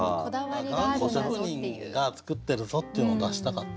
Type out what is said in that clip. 頑固職人が作ってるぞっていうのを出したかったんですね。